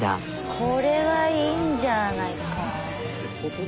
これはいいんじゃないか？